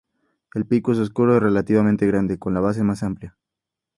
El pico es oscuro y relativamente grande, con la base más amplia.